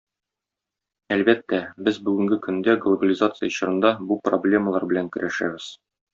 Әлбәттә, без бүгенге көндә глобализация чорында бу проблемалар белән көрәшәбез.